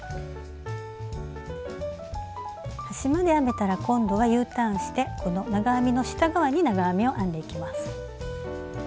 端まで編めたら今度はＵターンしてこの長編みの下側に長編みを編んでいきます。